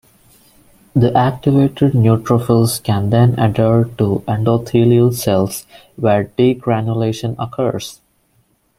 The activated neutrophils can then adhere to endothelial cells where degranulation occurs.